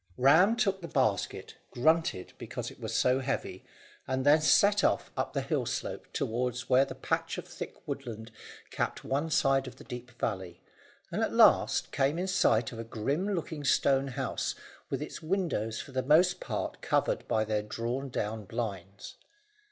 Ram took the basket, grunted because it was so heavy, and then set off up the hill slope towards where the patch of thick woodland capped one side of the deep valley, and at last came in sight of a grim looking stone house, with its windows for the most part covered by their drawn down blinds.